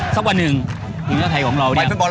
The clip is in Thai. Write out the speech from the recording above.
สักวันหนึ่งทีมชาติไทยของเราเนี่ย